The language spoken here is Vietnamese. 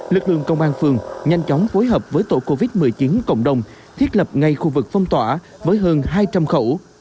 lực lượng công an phường nhanh chóng phối hợp với tổ covid một mươi chín cộng đồng thiết lập ngay khu vực phong tỏa với hơn hai trăm linh khẩu